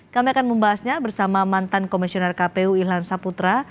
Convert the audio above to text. kami akan membahasnya bersama mantan komisioner kpu ilham saputra